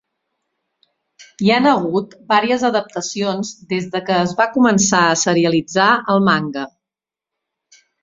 Hi han hagut vàries adaptacions des de que es va començar a serialitzar el manga.